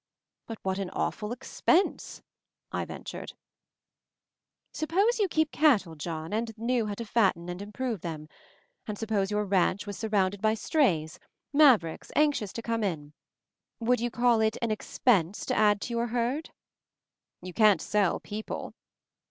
"But what an awful expense!" I ventured. 54 MOVING THE MOUNTAIN "Suppose you keep cattle, John, and knew how to fatten and improve them; and suppose your ranch was surrounded by strays — mavericks — anxious to come in. Would you call it 'an expense* to add to your herd?" "You can't sell people."